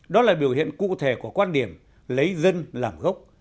đó là biểu hiện cụ thể của quan điểm lấy dân làm gốc